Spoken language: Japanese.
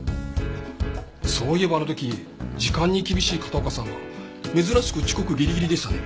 そういえばあの時時間に厳しい片岡さんが珍しく遅刻ギリギリでしたね。